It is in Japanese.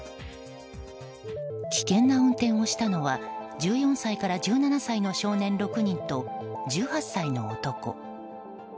危険な運転をしたのは１４歳から１７歳の少年６人と１８歳の男。